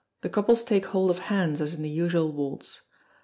The couples take hold of hands as in the usual waltz.